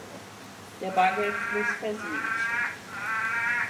Der Bargeldfluss versiegt.